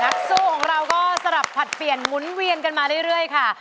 นักสู้ของเราก็สลับผลัดเปลี่ยนหมุนเวียนกันมาเรื่อยค่ะ